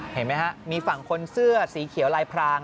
เห็นไหมฮะมีฝั่งคนเสื้อสีเขียวลายพราง